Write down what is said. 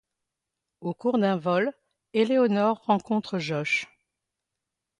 Au cours d'un vol, Éléonore rencontre Josh...